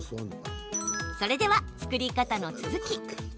それでは、作り方の続き。